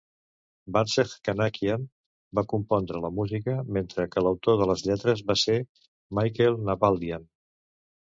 Barsegh Kanachyan va compondre la música, mentre que l'autor de les lletres va ser Mikael Nalbandian.